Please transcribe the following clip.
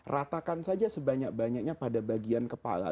ratakan saja sebanyak banyaknya pada bagian kepala